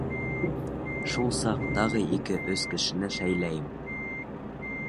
Шул саҡ тағы ике-өс кешене шәйләйем.